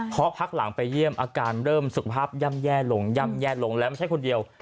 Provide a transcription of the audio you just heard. เพราะพักหลังไปเยี่ยมอาการเริ่มสุขภาพย่ำแย่ลงย่ำแย่ลงแล้วไม่ใช่คนเดียว